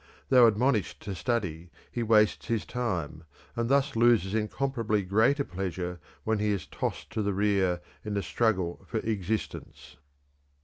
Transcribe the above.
Though admonished to study, he wastes his time and thus loses incomparably greater future pleasure when he is tossed to the rear in the struggle for existence."